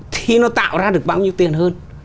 thì nó tạo ra được bao nhiêu tiền hơn